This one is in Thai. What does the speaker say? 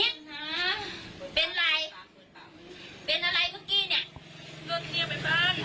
นิดเป็นไรเป็นอะไรเมื่อกี้เนี้ยเรียกไปบ้าน